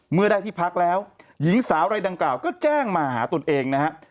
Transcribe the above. เมื่อได้ที่พักแล้วหญิงสาวรายดังกล่าวก็แจ้งมาหาตนเองนะฮะ